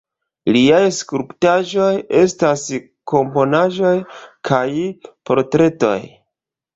Liaj skulptaĵoj estas komponaĵoj kaj portretoj.